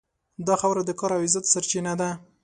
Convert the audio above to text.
دا خاوره د کار او عزت سرچینه ده.